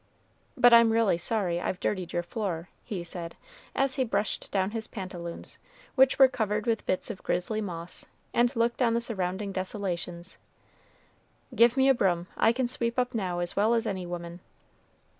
But I'm really sorry I've dirtied your floor," he said, as he brushed down his pantaloons, which were covered with bits of grizzly moss, and looked on the surrounding desolations; "give me a broom, I can sweep up now as well as any woman."